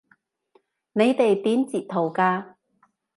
你哋點截圖㗎？